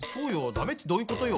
ダメってどういうことよ。